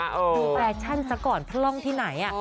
มีแปลชั่นสักก่อนพล่องที่ไหน